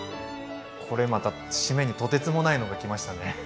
これまた締めにとてつもないのが来ましたね！